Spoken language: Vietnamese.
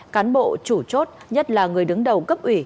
cán bộ chủ chốt nhất là người đứng đầu cấp ủy